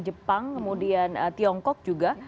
jepang kemudian tiongkok juga